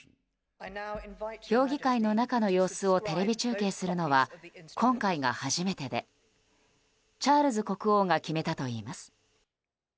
評議会の中の様子をテレビ中継するのは今回が初めてでチャールズ国王が決めたといいます。